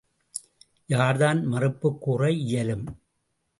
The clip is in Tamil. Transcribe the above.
யார்தான் மறுப்புக் கூற இயலும்?